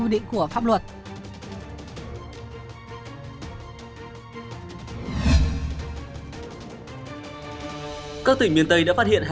các tỉnh miền tây đã phát hiện hàng trăm f trong dòng người chạy xe máy về quê tránh dịch những ngày qua